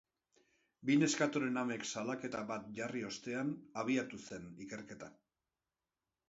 Bi neskatoren amek salaketa bat jarri ostean abiatu zen ikerketa.